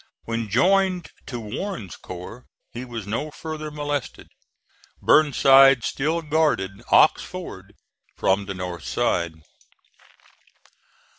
When joined to Warren's corps he was no further molested. Burnside still guarded Ox Ford from the north side.